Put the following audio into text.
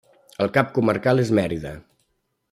El cap comarcal és Mèrida.